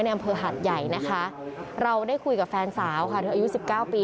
อำเภอหัดใหญ่นะคะเราได้คุยกับแฟนสาวค่ะเธออายุสิบเก้าปี